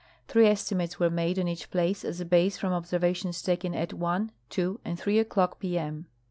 Three esti mates Avere made on each place as a base from observations taken at 1:00, 2:00, and 3:00 o'clock p. m.